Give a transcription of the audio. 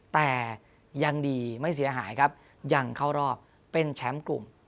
แต่ยังดีไม่เสียหายครับยังเข้ารอบเป็นแชมป์กลุ่ม